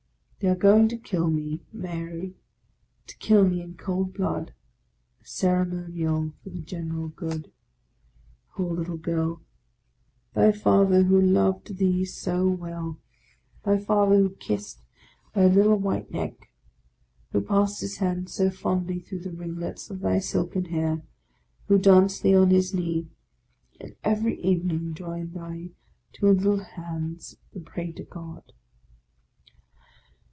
They are going to kill me, Mary, to kill me in cold blood, — a ceremonial for the general good. Poor little girl ! thy Father, who loved thee so well, thy Father who kissed thy little white neck, who passed his hands so fondly through the ringlets of thy silken hair, who danced thee on his knee, and every evening joined thy two little hands to pray to God!